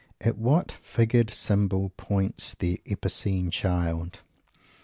At what figured symbol points that epicene child?